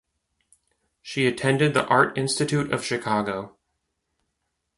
She attended the Art Institute of Chicago.